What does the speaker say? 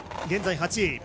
現在８位。